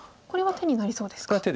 これは手になりそうですか。